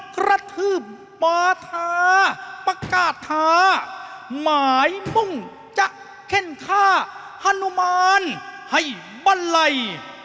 กระทืบปาทาประกาศท้าหมายพุ่งจะเข้นท่าฮานุมานให้บันไล